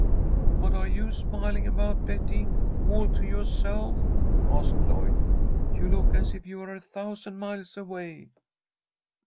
"What are you smiling about, Betty, all to yoahself?" asked Lloyd. "You look as if you are a thousand miles away."